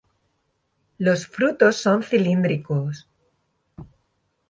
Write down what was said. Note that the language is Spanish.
Los frutos son cilíndricos.